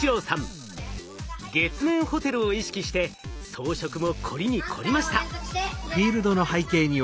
月面ホテルを意識して装飾も凝りに凝りました。